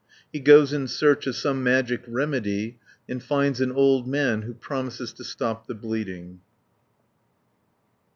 He goes in search of some magic remedy and finds an old man who promises to stop the bleeding (205 282).